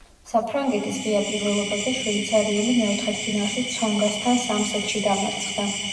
საფრანგეთის ღია პირველობაზე შვეიცარიელი მეოთხედფინალში ცონგასთან სამ სეტში დამარცხდა.